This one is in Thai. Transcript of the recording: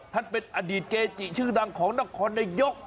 ท่านเบชอดีตเกรจิชื่อดังของนครได้ยก